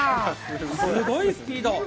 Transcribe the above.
すごいスピード。